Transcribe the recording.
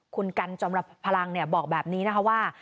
คุณกันจอมรับพลังบอกแบบนี้นะคะว่า